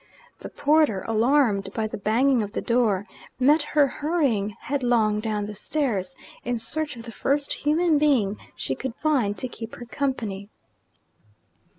The porter, alarmed by the banging of the door, met her hurrying headlong down the stairs, in search of the first human being she could find to keep her company.